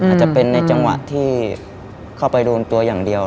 อาจจะเป็นในจังหวะที่เข้าไปโดนตัวอย่างเดียว